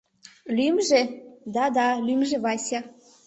Лӱмжӧ... да, да, лӱмжӧ Вася.